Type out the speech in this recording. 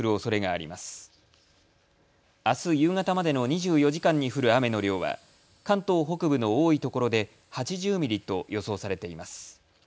あす夕方までの２４時間に降る雨の量は関東北部の多いところで８０ミリと予想されています。